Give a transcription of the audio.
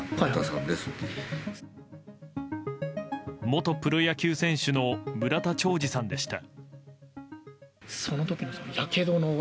元プロ野球選手の村田兆治さんでした。